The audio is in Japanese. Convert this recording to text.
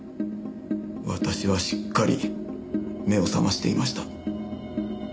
私はしっかり目を覚ましていました。